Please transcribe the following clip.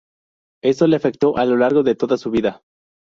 Esto le afectó a lo largo de toda su vida.